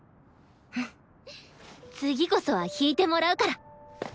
次こそは弾いてもらうから！